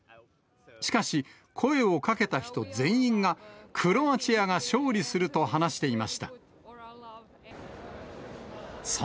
しかし、声をかけた人全員が、クロアチアが勝利すると話していました。